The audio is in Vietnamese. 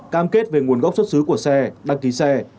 cam kết về nguồn gốc xuất xứ của xe đăng ký xe